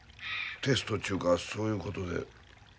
テストちゅうかそういうことで。